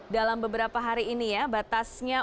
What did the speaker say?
dalam beberapa hari ini ya batasnya